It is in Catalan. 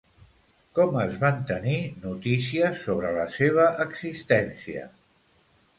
Com es van tenir notícies sobre la seva existència?